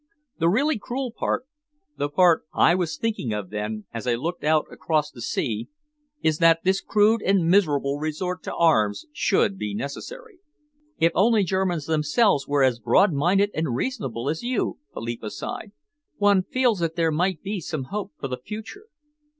The really cruel part, the part I was thinking of then, as I looked out across the sea, is that this crude and miserable resort to arms should be necessary." "If only Germans themselves were as broad minded and reasonable as you," Philippa sighed, "one feels that there might be some hope for the future!"